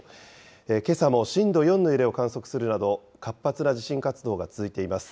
けさも震度４の揺れを観測するなど、活発な地震活動が続いています。